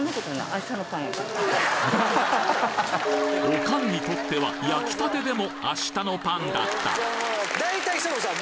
オカンにとっては焼きたてでも明日のパンだった大体久本さん